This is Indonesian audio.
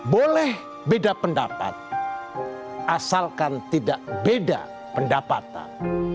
boleh beda pendapat asalkan tidak beda pendapatan